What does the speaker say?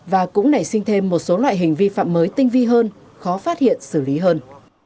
và cũng nảy sinh thêm một số loại hình vi phạm mới tinh vi hơn khó phát hiện xử lý hơn